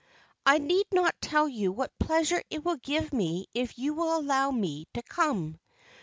I need not tell you what pleasure it will give me if you will allow me to come.